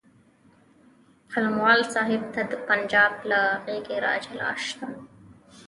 قلموال صاحب ته د پنجاب له غېږې راجلا شه.